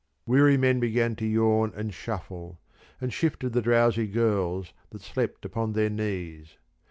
Weary men began to yawn and shuffle, and shifted the drowsy girls that slept upon their knees.